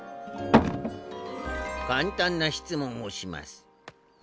簡単な質問をします。